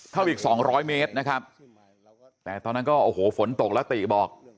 เข้าอีก๒๐๐เมตรนะครับแต่ตอนนั้นก็ฝนตกแล้วตีบอก